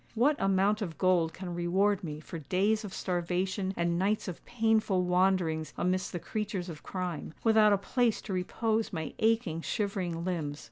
What amount of gold can reward me for days of starvation and nights of painful wanderings amidst the creatures of crime, without a place to repose my aching, shivering limbs?